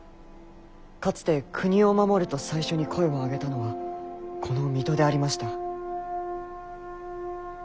かつて「国を守る」と最初に声を上げたのはこの水戸でありました。